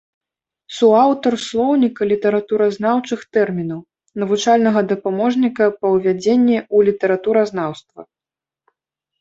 Суаўтар слоўніка літаратуразнаўчых тэрмінаў, навучальнага дапаможніка па ўвядзенні ў літаратуразнаўства.